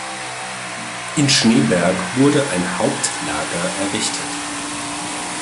In Schneeberg wurde ein Hauptlager errichtet.